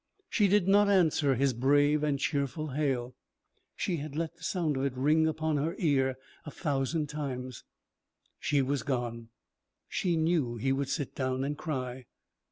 She did not answer his brave and cheerful hail. (She had let the sound of it ring upon her ear a thousand times.) She was gone. (She knew he would sit down and cry.)